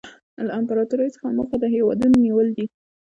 له امپراطورۍ څخه موخه د هېوادونو نیول دي